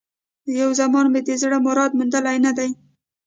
یو زمان مي د زړه مراد موندلی نه دی